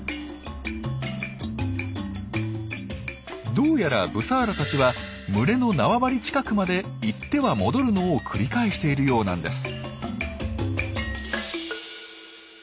どうやらブサーラたちは群れの縄張り近くまで行っては戻るのを繰り返しているようなんです。